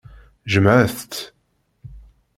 Jemɛet-tt.